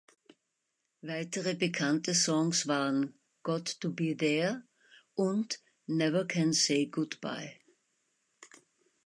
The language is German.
Weitere bekannte Songs waren "Got to Be There" und "Never Can Say Goodbye".